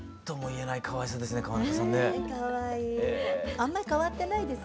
あんまり変わってないですね。